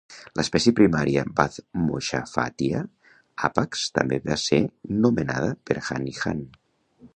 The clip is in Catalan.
L'espècie primària, "Bathmochoffatia hapax", també va ser nomenada per Hahn i Hahn.